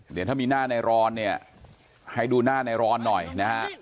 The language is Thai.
เดี๋ยวถ้ามีหน้าในรอนเนี่ยให้ดูหน้าในรอนหน่อยนะฮะ